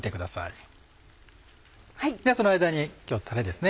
ではその間に今日はタレですね。